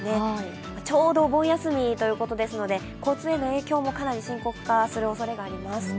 ちょうどお盆休みということですので、交通への影響もかなり深刻化するおそれもあります。